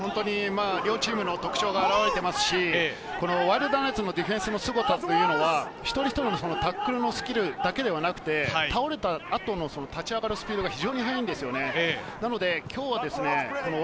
両チームの特徴が表れていますし、ワイルドナイツのディフェンスのすごさは一人一人のタックルのスキルだけではなく、倒れた後の立ち上がるスピードが非常に速いです。